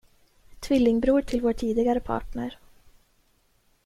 Tvillingbror till vår tidigare partner.